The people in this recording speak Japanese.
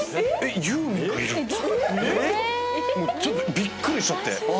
びっくりしちゃって。